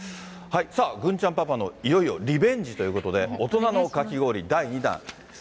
さあ、郡ちゃんパパの、いよいよリベンジということで、大人のかき氷第２弾。